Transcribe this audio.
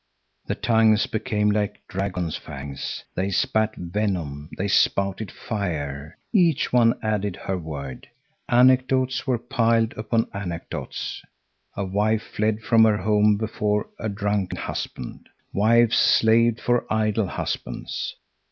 The tongues became like dragons' fangs; they spat venom, they spouted fire. Each one added her word. Anecdotes were piled upon anecdotes. A wife fled from her home before a drunken husband. Wives slaved for idle husbands.